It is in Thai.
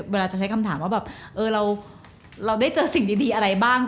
เวลาจะใช้คำถามว่าแบบเราได้เจอสิ่งดีอะไรบ้าง